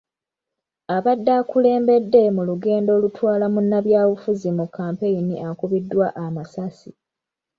Abadde akulembedde mu lugendo olutwala munnabyabufuzi mu kampeyini akubiddwa amasasi.